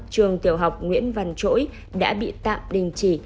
trường tiểu học nguyễn văn chỗi đã bị tạm đình chỉ